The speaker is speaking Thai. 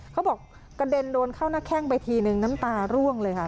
กระเด็นโดนเข้าหน้าแข้งไปทีนึงน้ำตาร่วงเลยค่ะ